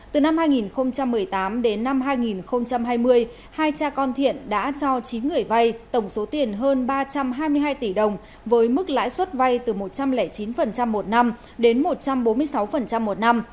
từ năm hai nghìn một mươi tám đến năm hai nghìn hai mươi hai cha con thiện đã cho chín người vay tổng số tiền hơn ba trăm hai mươi hai tỷ đồng với mức lãi suất vay từ một trăm linh chín một năm đến một trăm bốn mươi sáu một năm